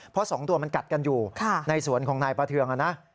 เพราะ๒ตัวมันกัดกันอยู่ในสวนของนายประเทืองนะ